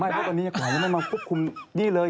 ไม่เพราะว่าวันนี้อย่างกว่านั้นมันมาควบคุมนี่เลย